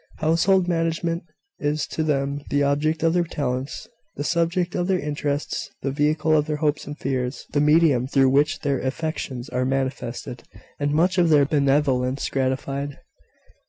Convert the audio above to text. Household management is to them the object of their talents, the subject of their interests, the vehicle of their hopes and fears, the medium through which their affections are manifested, and much of their benevolence gratified.